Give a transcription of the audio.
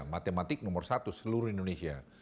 matematik nomor satu seluruh indonesia